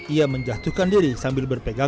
ia menjatuhkan diri sambil berpegang